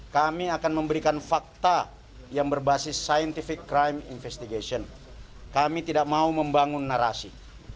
kami akan memberikan fakta yang berbasis scientific crime investigation kami tidak mau membangun narasi